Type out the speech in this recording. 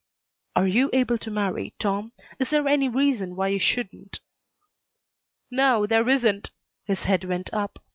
"Are you able to marry, Tom? Is there any reason why you shouldn't?" "No, there isn't." His head went up.